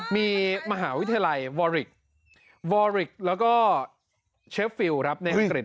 มีมหาวิทยาลัยวอริกวอริกแล้วก็เชฟฟิลครับในอังกฤษ